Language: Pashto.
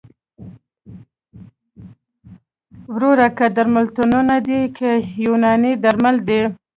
وروره که درملتونونه دي که یوناني درمل دي